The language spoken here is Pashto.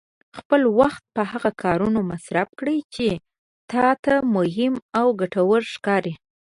خپل وخت په هغه کارونو مصرف کړه چې تا ته مهم او ګټور ښکاري.